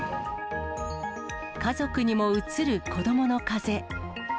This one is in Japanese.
家族にもうつる子どものかぜ。